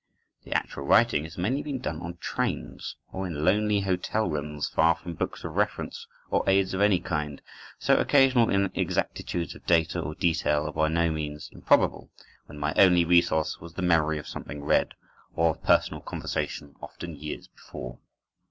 The actual writing has mainly been done on trains, or in lonely hotel rooms far from books of reference, or aids of any kind; so occasional inexactitudes of data or detail are by no means improbable, when my only resource was the memory of something read, or of personal conversation often years before.